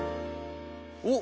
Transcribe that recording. おっ！